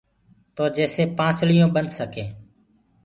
تو جيڪسي پانسݪيونٚ ٻنَد سڪين۔